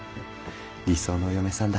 理想のお嫁さんだ。